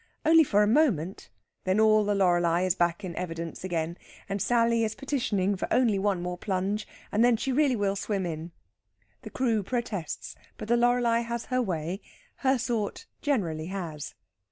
Only for a moment; then all the Loreley is back in evidence again, and Sally is petitioning for only one more plunge, and then she really will swim in. The crew protests, but the Loreley has her way; her sort generally has.